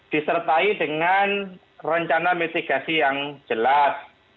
disertai dengan rencana mitigasi yang jelas